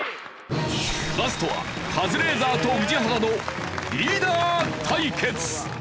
ラストはカズレーザーと宇治原のリーダー対決。